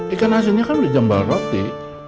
ikan asinnya kan udah jambal roti